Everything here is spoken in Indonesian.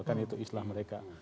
kan itu istilah mereka